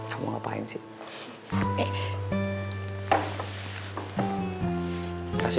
sampai jumpa lagi